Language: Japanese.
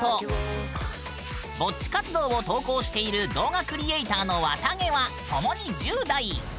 ぼっち活動の様子を投稿している動画クリエイターのわたげは共に１０代。